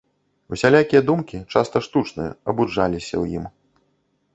Усялякія думкі, часта штучныя, абуджваліся ў ім.